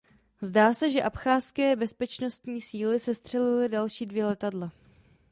Zdá se, že abcházské bezpečnostní síly sestřelily další dvě letadla.